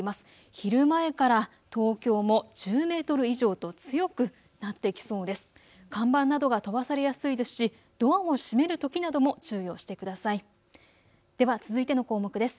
昼前から東京も１０メートル以上と強くなってきそうです。